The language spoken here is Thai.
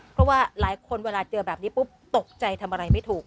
เพราะว่าหลายคนเวลาเจอแบบนี้ปุ๊บตกใจทำอะไรไม่ถูก